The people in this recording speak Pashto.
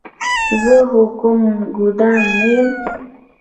زه هم کوم ګدا نه یم.